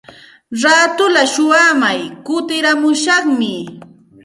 Raatulla shuyaaramay kutiramushaqmi.